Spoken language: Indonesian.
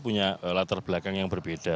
punya latar belakang yang berbeda